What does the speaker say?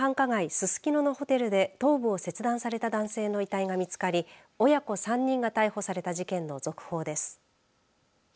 ススキノのホテルで頭部を切断された男性の遺体が見つかり親子３人が逮捕された事件の続報です。